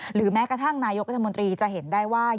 หรือแม้กระทั่งนายกรัฐมนตรีจะเห็นได้ว่า